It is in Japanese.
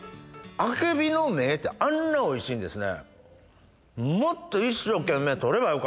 アケビの芽ってあんなおいしいんですね。